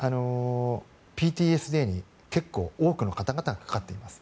ＰＴＳＤに結構多くの方々がかかっています。